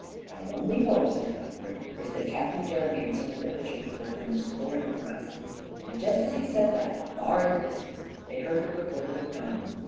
"Our only hope," said Cuthbert, "is that Captain Jeremy and some of the fishermen will come exploring for us," and just as he said that far in the distance they heard the report of a gun.